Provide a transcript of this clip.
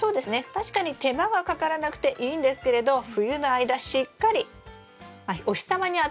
確かに手間がかからなくていいんですけれど冬の間しっかりお日様に当てるということがとても大事です。